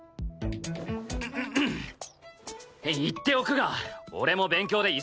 言っておくが俺も勉強で忙しい。